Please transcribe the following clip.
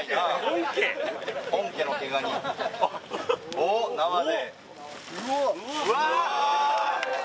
おっ、生で。